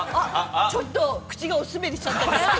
◆ちょっと口がお滑りしちゃった。